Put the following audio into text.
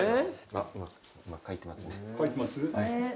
今書いてますね。